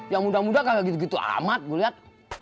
yang muda muda kagak gitu gitu amat gua liat